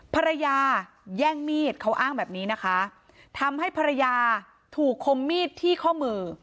ภรรยาแย่งมีดเขาอ้างแบบนี้นะคะทำให้ภรรยาถูกคมมีดที่ข้อมือ